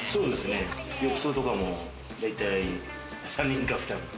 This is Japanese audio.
浴槽とか大体３人か２人。